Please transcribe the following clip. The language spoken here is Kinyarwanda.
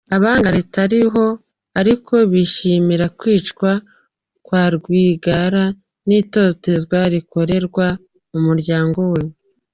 abanga Leta iriho ariko bishimira kwicwa kwa Rwigara n’itotezwa rikorerwa umuryango we.